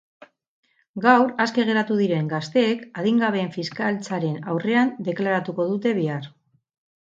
Gaur aske geratu diren gazteek adingabeen fiskaltzaren aurrean deklaratuko dute bihar.